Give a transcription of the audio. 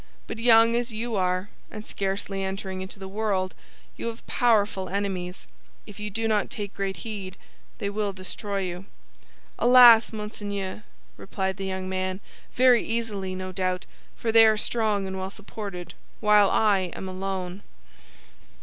But young as you are, and scarcely entering into the world, you have powerful enemies; if you do not take great heed, they will destroy you." "Alas, monseigneur!" replied the young man, "very easily, no doubt, for they are strong and well supported, while I am alone."